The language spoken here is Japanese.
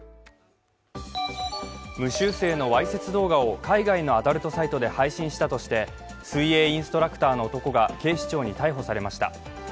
無修正のわいせつ動画を海外のアダルトサイトで配信したとして水泳インストラクターの男が警視庁に逮捕されました。